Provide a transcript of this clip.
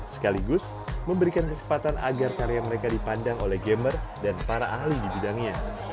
sekaligus memberikan kesempatan agar karya mereka dipandang oleh gamer dan para ahli di bidangnya